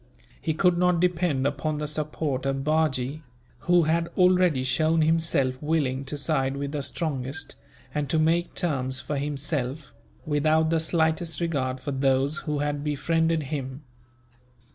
He could not depend upon the support of Bajee, who had already shown himself willing to side with the strongest, and to make terms for himself, without the slightest regard for those who had befriended him.